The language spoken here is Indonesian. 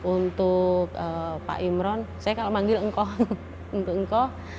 untuk pak imran saya kalau memanggil engkau untuk engkau